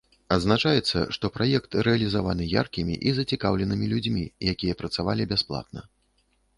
Адзначаецца, што праект рэалізаваны яркімі і зацікаўленымі людзьмі, якія працавалі бясплатна.